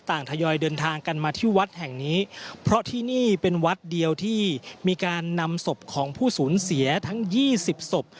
ทยอยเดินทางกันมาที่วัดแห่งนี้เพราะที่นี่เป็นวัดเดียวที่มีการนำศพของผู้สูญเสียทั้งยี่สิบศพ